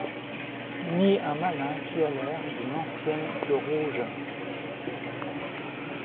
Ni un malin qui a l’air d’une ancienne queue-rouge ?